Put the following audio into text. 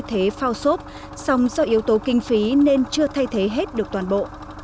thay phao xốp song do yếu tố kinh phí nên chưa thay thế hết được toàn bộ